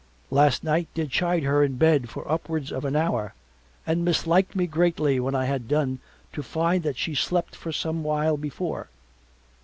Last night did chide her in bed for upwards of an hour and misliked me greatly when I had done to find that she slept for some while before.